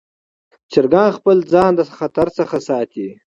چرګان خپل ځان د خطر څخه ساتي.